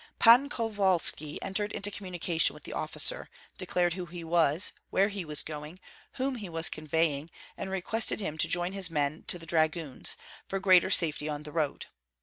Pan Kovalski entered into communication with the officer, declared who he was, where he was going, whom he was conveying, and requested him to join his men to the dragoons, for greater safety on the road.